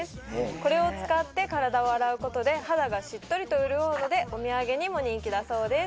これを使って体を洗うことで肌がしっとりと潤うのでお土産にも人気だそうです